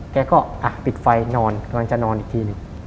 แกก็ปิดไฟนอนกำลังจะนอนอีกทีหนึ่ง